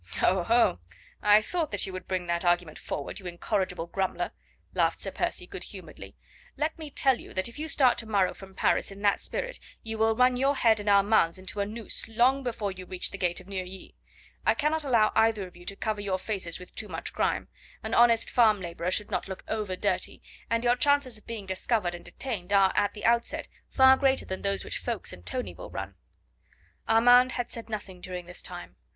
"Oho! I thought that you would bring that argument forward, you incorrigible grumbler," laughed Sir Percy good humouredly. "Let me tell you that if you start to morrow from Paris in that spirit you will run your head and Armand's into a noose long before you reach the gate of Neuilly. I cannot allow either of you to cover your faces with too much grime; an honest farm labourer should not look over dirty, and your chances of being discovered and detained are, at the outset, far greater than those which Ffoulkes and Tony will run " Armand had said nothing during this time.